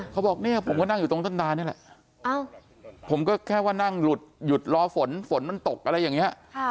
เขาบอกเนี่ยผมก็นั่งอยู่ตรงต้นนานนี่แหละผมก็แค่ว่านั่งหลุดหยุดรอฝนฝนมันตกอะไรอย่างนี้